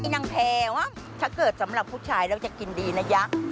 นางแพวถ้าเกิดสำหรับผู้ชายแล้วจะกินดีนะยักษ์